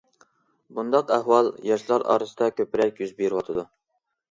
بۇنداق ئەھۋال ياشلار ئارىسىدا كۆپرەك يۈز بېرىۋاتىدۇ.